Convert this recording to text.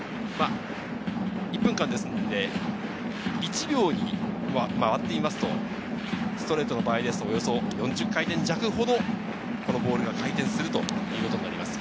１分間ですので１秒に回っていますと、ストレートの場合は４０回転弱ほどボールが回転するということになります。